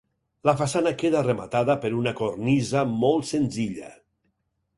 La façana queda rematada per una cornisa molt senzilla.